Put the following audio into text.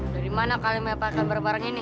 dari mana kalian melepaskan berbareng ini